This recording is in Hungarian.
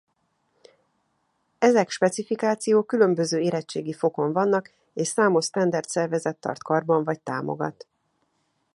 Ezek specifikációk különböző érettségi fokon vannak és számos sztenderd szervezet tart karban vagy támogat.